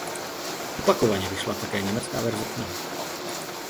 Opakovaně vyšla také německá verze knihy.